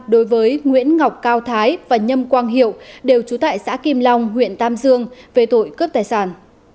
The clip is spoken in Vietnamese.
đối với nguyễn ngọc cao thái và nhâm quang hiệu đều trú tại xã kim long huyện tam dương về tội cướp tài sản